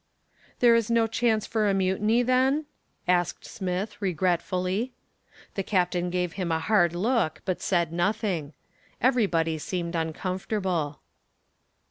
"There is no chance for a mutiny, then?" asked Smith regretfully. The captain gave him a hard look, but said nothing. Everybody seemed uncomfortable.